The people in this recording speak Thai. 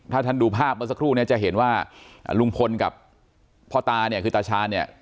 ถ้าท่านดูภาพเมื่อสักครู่เนี่ยจะเห็นว่าลุงพลกับพ่อตาเนี่ยคือตาชาญเนี่ย